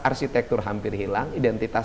arsitektur hampir hilang identitas